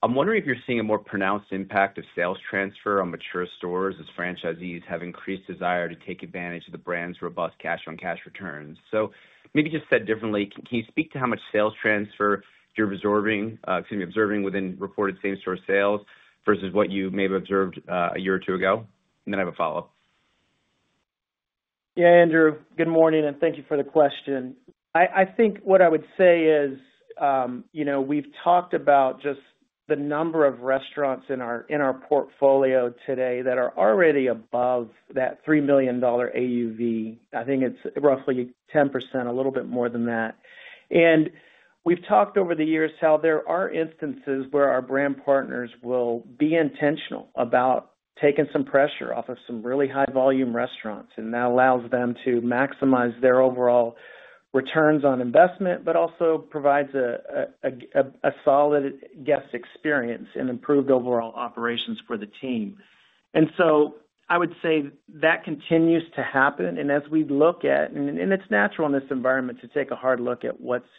I'm wondering if you're seeing a more pronounced impact of sales transfer on mature stores as franchisees have increased desire to take advantage of the brand's robust cash-on-cash returns. Maybe just said differently, can you speak to how much sales transfer you're observing within reported same-store sales versus what you may have observed a year or two ago? I have a follow-up. Yeah, Andrew. Good morning, and thank you for the question. I think what I would say is we've talked about just the number of restaurants in our portfolio today that are already above that $3 million AUV. I think it's roughly 10%, a little bit more than that. We have talked over the years how there are instances where our brand partners will be intentional about taking some pressure off of some really high-volume restaurants. That allows them to maximize their overall returns on investment, but also provides a solid guest experience and improved overall operations for the team. I would say that continues to happen. As we look at, and it is natural in this environment to take a hard look at what is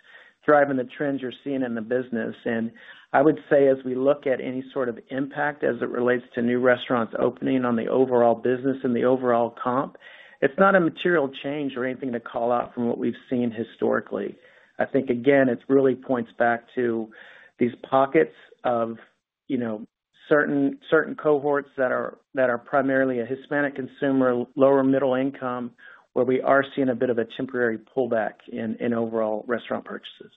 driving the trends you are seeing in the business. I would say, as we look at any sort of impact as it relates to new restaurants opening on the overall business and the overall comp, it is not a material change or anything to call out from what we have seen historically. I think, again, it really points back to these pockets of certain cohorts that are primarily a Hispanic consumer, lower middle income, where we are seeing a bit of a temporary pullback in overall restaurant purchases.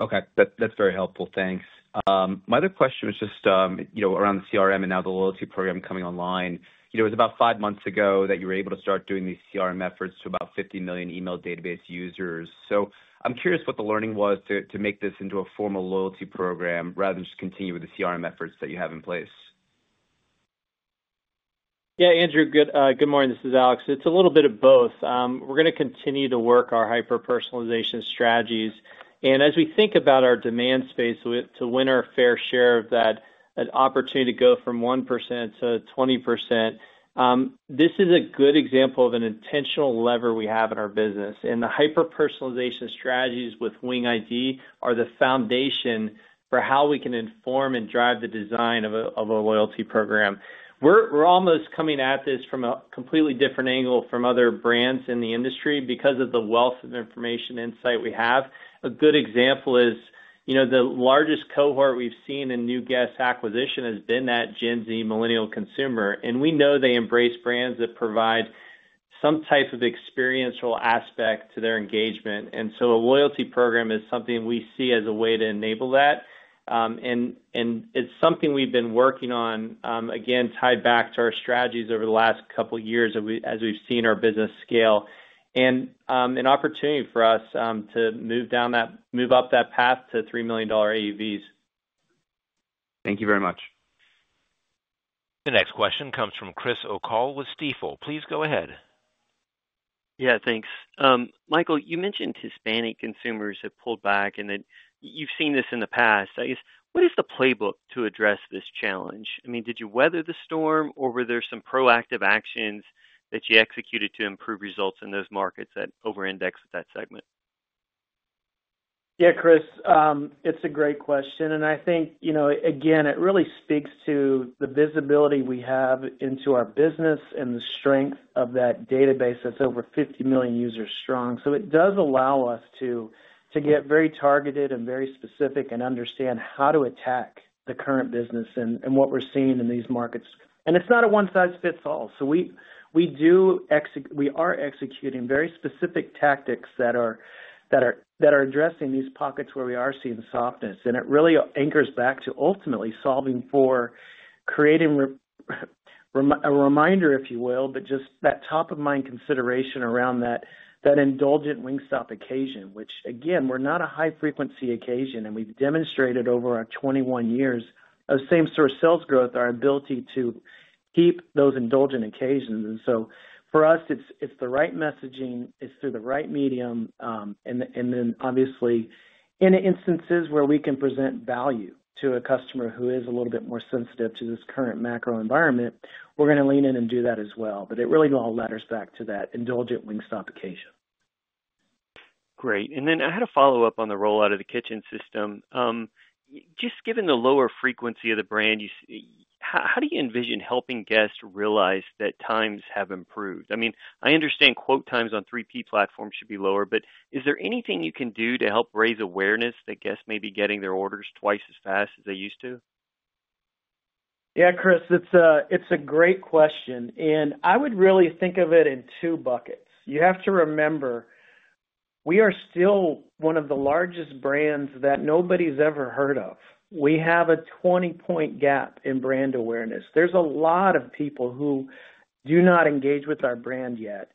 Okay. That's very helpful. Thanks. My other question was just around the CRM and now the loyalty program coming online. It was about five months ago that you were able to start doing these CRM efforts to about 50 million email database users. So I'm curious what the learning was to make this into a formal loyalty program rather than just continue with the CRM efforts that you have in place. Yeah, Andrew. Good morning. This is Alex. It's a little bit of both. We're going to continue to work our hyper-personalization strategies. As we think about our demand space to win our fair share of that opportunity to go from 1% to 20%, this is a good example of an intentional lever we have in our business. The hyper-personalization strategies with WingID are the foundation for how we can inform and drive the design of a loyalty program. We're almost coming at this from a completely different angle from other brands in the industry because of the wealth of information insight we have. A good example is the largest cohort we've seen in new guest acquisition has been that Gen Z millennial consumer. We know they embrace brands that provide some type of experiential aspect to their engagement. A loyalty program is something we see as a way to enable that. It's something we've been working on, again, tied back to our strategies over the last couple of years as we've seen our business scale and an opportunity for us to move up that path to $3 million AUVs. Thank you very much. The next question comes from Chris O'Cull with Stifel. Please go ahead. Yeah, thanks. Michael, you mentioned Hispanic consumers have pulled back, and you've seen this in the past. I guess, what is the playbook to address this challenge? I mean, did you weather the storm, or were there some proactive actions that you executed to improve results in those markets that over-indexed that segment? Yeah, Chris, it's a great question. I think, again, it really speaks to the visibility we have into our business and the strength of that database that's over 50 million users strong. It does allow us to get very targeted and very specific and understand how to attack the current business and what we're seeing in these markets. It's not a one-size-fits-all. We are executing very specific tactics that are addressing these pockets where we are seeing softness. It really anchors back to ultimately solving for creating a reminder, if you will, but just that top-of-mind consideration around that indulgent Wingstop occasion, which, again, we're not a high-frequency occasion. We've demonstrated over our 21 years of same-store sales growth our ability to keep those indulgent occasions. For us, it's the right messaging through the right medium. Obviously, in instances where we can present value to a customer who is a little bit more sensitive to this current macro environment, we're going to lean in and do that as well. It really all letters back to that indulgent Wingstop occasion. Great. I had a follow-up on the rollout of the kitchen system. Just given the lower frequency of the brand, how do you envision helping guests realize that times have improved? I mean, I understand quote times on 3P platforms should be lower, but is there anything you can do to help raise awareness that guests may be getting their orders twice as fast as they used to? Yeah, Chris, it's a great question. I would really think of it in two buckets. You have to remember, we are still one of the largest brands that nobody's ever heard of. We have a 20-point gap in brand awareness. There's a lot of people who do not engage with our brand yet.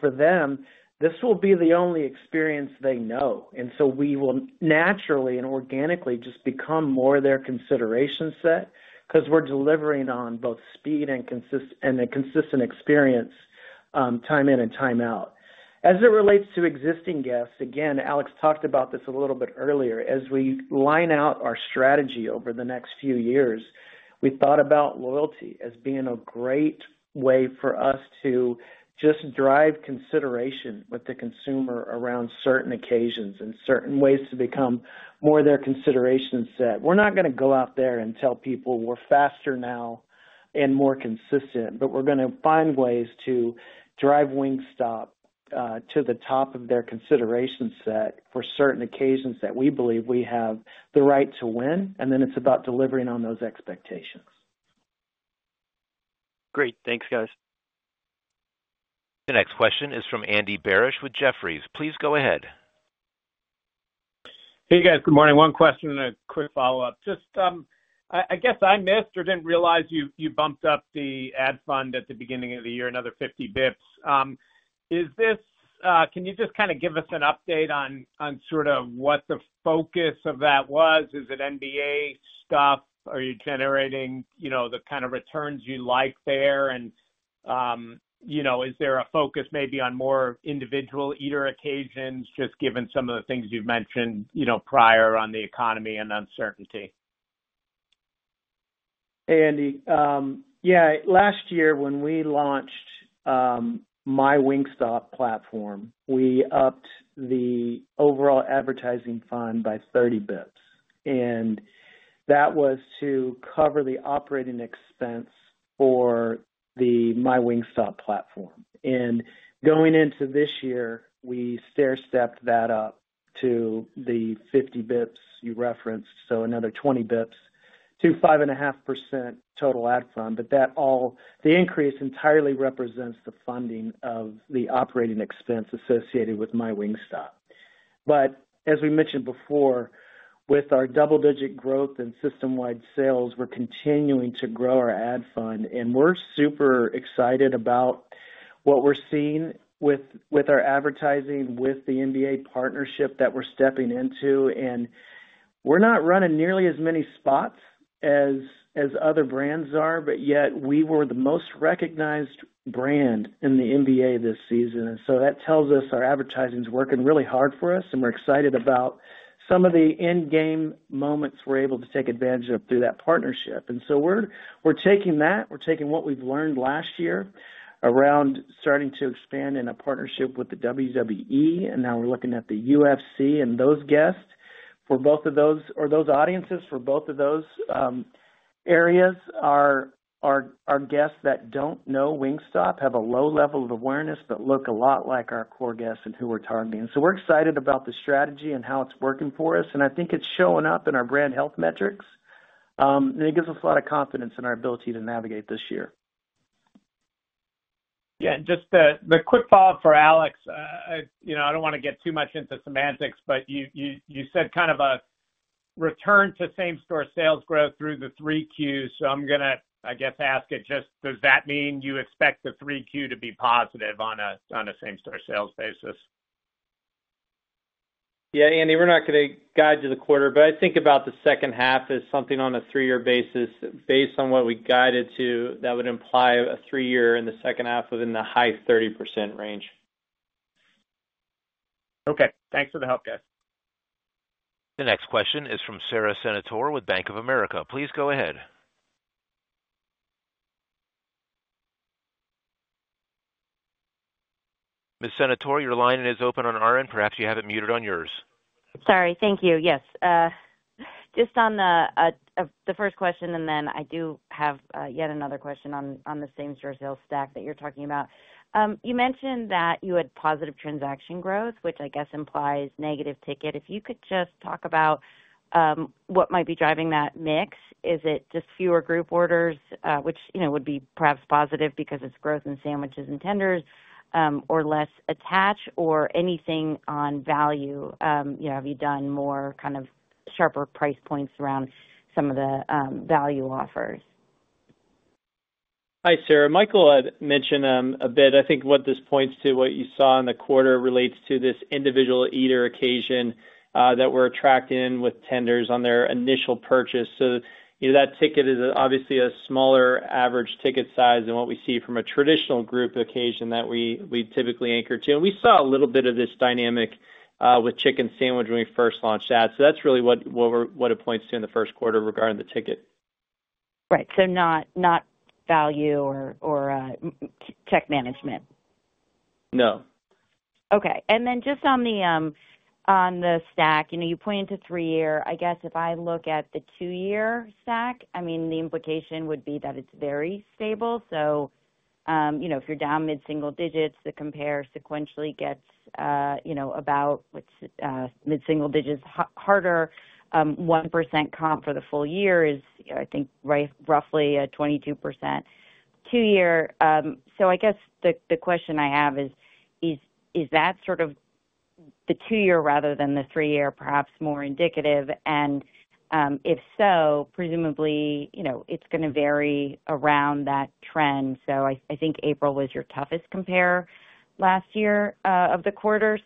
For them, this will be the only experience they know. We will naturally and organically just become more their consideration set because we're delivering on both speed and a consistent experience time in and time out. As it relates to existing guests, again, Alex talked about this a little bit earlier. As we line out our strategy over the next few years, we thought about loyalty as being a great way for us to just drive consideration with the consumer around certain occasions and certain ways to become more their consideration set. We're not going to go out there and tell people we're faster now and more consistent, but we're going to find ways to drive Wingstop to the top of their consideration set for certain occasions that we believe we have the right to win. It is about delivering on those expectations. Great. Thanks, guys. The next question is from Andy Barish with Jefferies. Please go ahead. Hey, guys. Good morning. One question and a quick follow-up. Just I guess I missed or didn't realize you bumped up the ad fund at the beginning of the year another 50 basis points. Can you just kind of give us an update on sort of what the focus of that was? Is it NBA stuff? Are you generating the kind of returns you like there? Is there a focus maybe on more individual eater occasions, just given some of the things you've mentioned prior on the economy and uncertainty? Hey, Andy. Yeah, last year when we launched MyWingstop platform, we upped the overall advertising fund by 30 basis points. That was to cover the operating expense for the MyWingstop platform. Going into this year, we stair-stepped that up to the 50 basis points you referenced, so another 20 basis points to 5.5% total ad fund. The increase entirely represents the funding of the operating expense associated with MyWingstop. As we mentioned before, with our double-digit growth and system-wide sales, we're continuing to grow our ad fund. We're super excited about what we're seeing with our advertising, with the NBA partnership that we're stepping into. We're not running nearly as many spots as other brands are, yet we were the most recognized brand in the NBA this season. That tells us our advertising is working really hard for us, and we're excited about some of the in-game moments we're able to take advantage of through that partnership. We're taking that. We're taking what we've learned last year around starting to expand in a partnership with the WWE. Now we're looking at the UFC and those guests for both of those or those audiences for both of those areas. Our guests that don't know Wingstop have a low level of awareness but look a lot like our core guests and who we're targeting. We're excited about the strategy and how it's working for us. I think it's showing up in our brand health metrics. It gives us a lot of confidence in our ability to navigate this year. Yeah. Just the quick follow-up for Alex. I don't want to get too much into semantics, but you said kind of a return to same-store sales growth through the 3Q. I'm going to, I guess, ask it just, does that mean you expect the 3Q to be positive on a same-store sales basis? Yeah, Andy. We're not going to guide to the quarter, but I think about the second half as something on a three-year basis. Based on what we guided to, that would imply a three-year in the second half within the high 30% range. Okay. Thanks for the help, guys. The next question is from Sara Senatore with Bank of America. Please go ahead. Ms. Senatore, your line is open on our end. Perhaps you have it muted on yours. Sorry. Thank you. Yes. Just on the first question, and then I do have yet another question on the same-store sales stack that you're talking about. You mentioned that you had positive transaction growth, which I guess implies negative ticket. If you could just talk about what might be driving that mix. Is it just fewer group orders, which would be perhaps positive because it's growth in Sandwiches and Tenders, or less attach, or anything on value? Have you done more kind of sharper price points around some of the value offers? Hi, Sara. Michael had mentioned a bit. I think what this points to, what you saw in the quarter relates to this individual eater occasion that we're attracting with Tenders on their initial purchase. So that ticket is obviously a smaller average ticket size than what we see from a traditional group occasion that we typically anchor to. We saw a little bit of this dynamic with Chicken Sandwich when we first launched that. That's really what it points to in the first quarter regarding the ticket. Right. Not value or tech management? No .Okay. Just on the stack, you pointed to three-year. I guess if I look at the two-year stack, I mean, the implication would be that it's very stable. If you're down mid-single digits, the compare sequentially gets about mid-single digits harder. 1% comp for the full year is, I think, roughly a 22% two-year. I guess the question I have is, is that sort of the two-year rather than the three-year perhaps more indicative? If so, presumably, it's going to vary around that trend. I think April was your toughest compare last year of the quarter.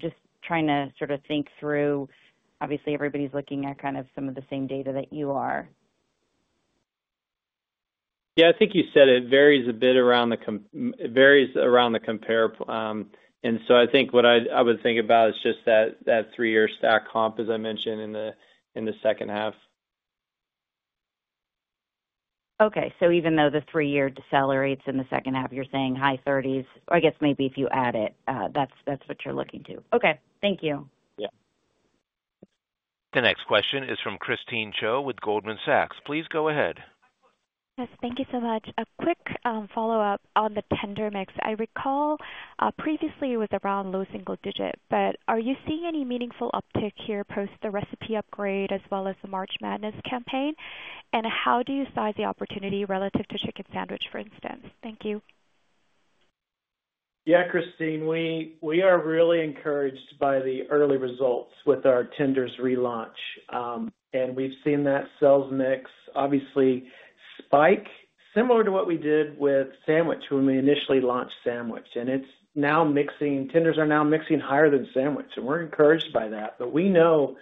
Just trying to sort of think through, obviously, everybody's looking at kind of some of the same data that you are. Yeah, I think you said it varies a bit around the compare. I think what I would think about is just that three-year stack comp, as I mentioned, in the second half. Okay. Even though the three-year salaries in the second half, you're saying high 30s, I guess maybe if you add it, that's what you're looking to. Thank you. The next question is from Christine Cho with Goldman Sachs. Please go ahead. Yes. Thank you so much. A quick follow-up on the Tender mix. I recall previously it was around low single digit, but are you seeing any meaningful uptick here post the recipe upgrade as well as the March Madness campaign? How do you size the opportunity relative to Chicken Sandwich, for instance? Thank you. Yeah, Christine. We are really encouraged by the early results with our Tenders relaunch. We've seen that sales mix, obviously, spike similar to what we did with Sandwich when we initially launched Sandwich. Tenders are now mixing higher than Sandwich. We're encouraged by that. We know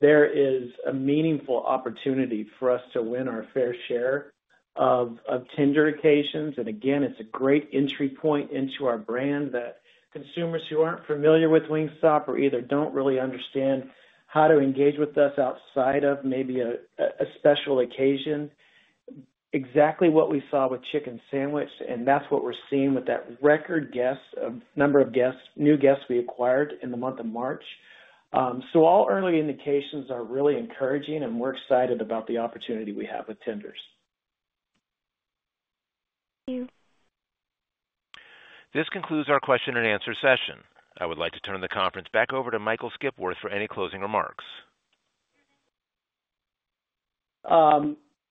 there is a meaningful opportunity for us to win our fair share of Tender occasions. Again, it's a great entry point into our brand that consumers who aren't familiar with Wingstop or either don't really understand how to engage with us outside of maybe a special occasion, exactly what we saw with Chicken Sandwich. That's what we're seeing with that record guest number of new guests we acquired in the month of March. All early indications are really encouraging, and we're excited about the opportunity we have with Tenders. Thank you. This concludes our question and answer session. I would like to turn the conference back over to Michael Skipworth for any closing remarks.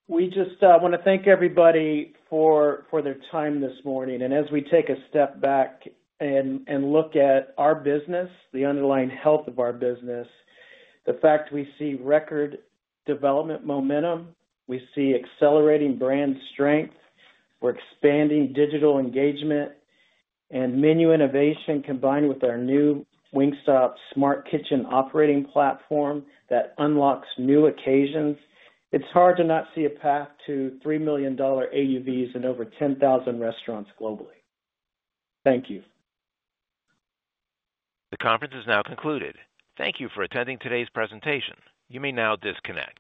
We just want to thank everybody for their time this morning. As we take a step back and look at our business, the underlying health of our business, the fact we see record development momentum, we see accelerating brand strength, we're expanding digital engagement, and menu innovation combined with our new Wingstop Smart Kitchen operating platform that unlocks new occasions, it's hard to not see a path to $3 million AUVs in over 10,000 restaurants globally. Thank you. The conference is now concluded. Thank you for attending today's presentation. You may now disconnect.